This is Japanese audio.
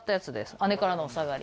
姉からのお下がり。